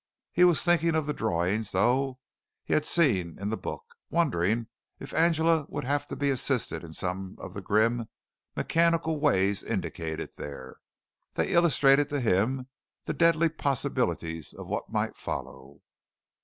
He was thinking of the drawings, though, he had seen in the book wondering if Angela would have to be assisted in some of the grim, mechanical ways indicated there. They illustrated to him the deadly possibilities of what might follow.